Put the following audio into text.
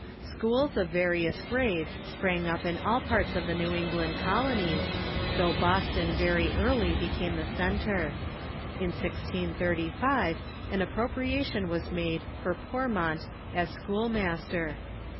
Schools of various grades sprang up in all parts of the New England colonies, though Boston very early became the cen tre. In 1635 an appropriation was made forPormont as school master.